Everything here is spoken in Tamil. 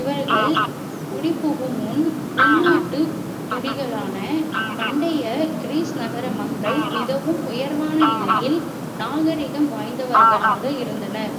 இவர்கள் குடிபுகுமுன் உள்நாட்டுக் குடிகளான பண்டைய கிரீஸ் நகர மக்கள், மிகவும் உயர்வான நிலையில் நாகரிகம் வாய்ந்தவர்களாக இருந்தனர்.